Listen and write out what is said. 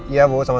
iya bu sama sama